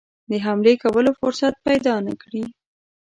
د حملې کولو فرصت پیدا نه کړي.